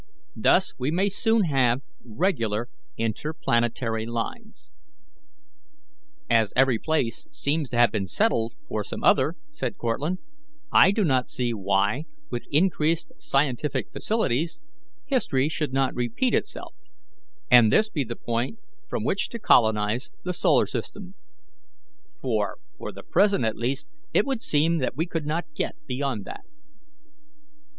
Thus we may soon have regular interplanetary lines." "As every place seems to have been settled from some other," said Cortlandt, "I do not see why, with increased scientific facilities, history should not repeat itself, and this be the point from which to colonize the solar system; for, for the present at least, it would seem that we could not get beyond that."